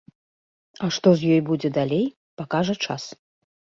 А што з ёй будзе далей, пакажа час.